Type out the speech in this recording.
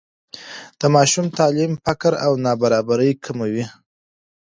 د ماشوم تعلیم فقر او نابرابري کموي.